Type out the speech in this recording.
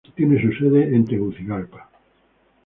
Tiene su sede en Tegucigalpa.